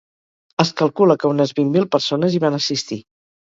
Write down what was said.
Es calcula que unes vint mil persones hi van assistir.